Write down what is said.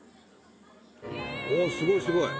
すごい、すごい！